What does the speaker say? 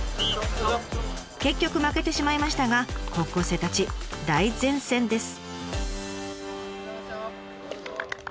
結局負けてしまいましたが高校生たち大善戦です！